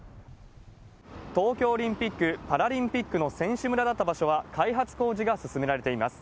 東京オリンピック・パラリンピックの選手村だった場所は、開発工事が進められています。